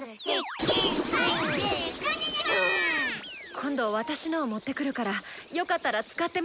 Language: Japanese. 今度私のを持ってくるからよかったら使ってみてくれ。